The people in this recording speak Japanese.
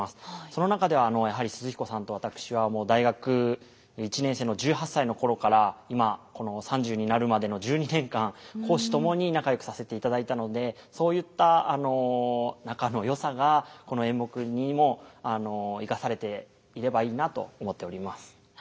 その中でやはり寿々彦さんと私は大学１年生の１８歳の頃から今この３０になるまでの１２年間公私ともに仲良くさせていただいたのでそういった仲の良さがこの演目にも生かされていればいいなと思っております。